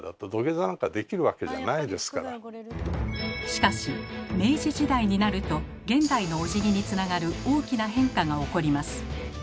しかし明治時代になると現代のおじぎにつながる大きな変化が起こります。